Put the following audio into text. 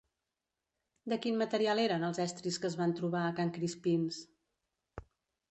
De quin material eren els estris que es van trobar a Can Crispins?